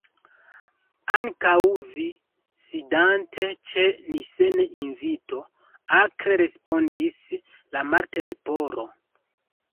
"Ankaŭ vi, sidante ĉe ni sen invito," akre respondis la Martleporo.